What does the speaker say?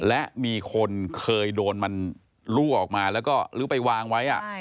และมีคนเคยโดนมันลั่วออกมาแล้วก็ลื้อไปวางไว้